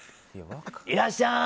いらっしゃーい！